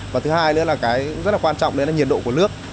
và thứ hai nữa là cái rất là quan trọng đấy là nhiệt độ của nước